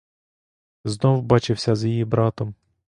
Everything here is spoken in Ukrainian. Знов бачився з її братом.